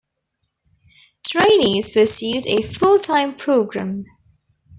Trainees pursued a full-time programme.